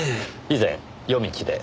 以前夜道で。